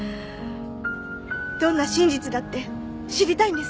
どんな真実だって知りたいんです。